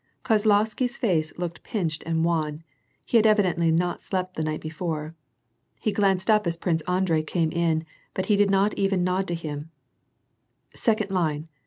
Kozlovsky's face looked pinched and wan ; he had evidently not slept the night before. He glanced up as Prince Andrei came in, but he did not even nod to him. " Second line.